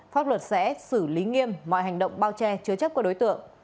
pháp luật sẽ xử lý nghiêm mọi hành động bao che chứa chấp của đối tượng